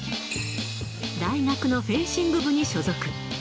大学のフェンシング部に所属。